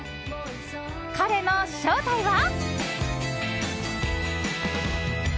彼の正体は。